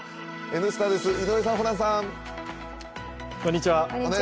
「Ｎスタ」です、井上さん、ホランさん。